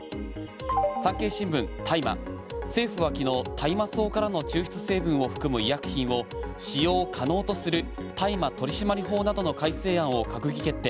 産経新聞、大麻政府は昨日大麻草からの抽出成分を含む医薬品を使用を可能とする大麻取締法などの改正案を閣議決定。